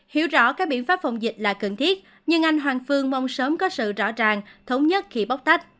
hiểu rõ các biện pháp phòng dịch là cần thiết nhưng anh hoàng phương mong sớm có sự rõ ràng thống nhất khi bóc tách